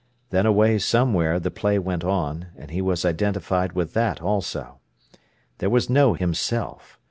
Then away somewhere the play went on, and he was identified with that also. There was no himself.